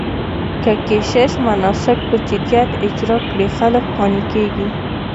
که کشیش مناسک په جديت اجرا کړي، خلک قانع کېږي.